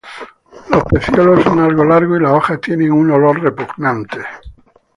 Los peciolos son algo largos y las hojas tienen un olor repugnante.